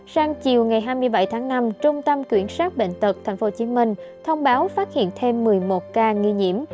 sang chiều ngày hai mươi bảy tháng năm trung tâm kiểm soát bệnh tật tp hcm thông báo phát hiện thêm một mươi một ca nghi nhiễm